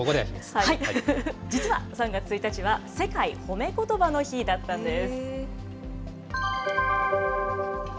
実は３月１日は、世界褒めことばの日だったんです。